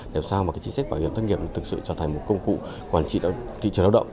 để sao chính sách bảo hiểm thất nghiệp thực sự trở thành công cụ quản trị thị trường lao động